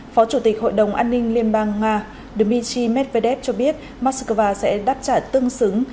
phó chủ tịch hội đồng an ninh liên bang nga dmitry medvedev cho biết moscow sẽ đáp trả tương xứng